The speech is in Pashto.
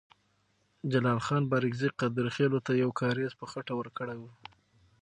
جلال خان بارکزی قادرخیلو ته یو کارېز په خټه ورکړی وو.